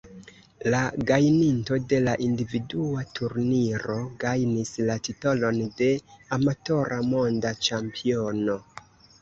La gajninto de la individua turniro gajnis la titolon de Amatora Monda Ĉampiono.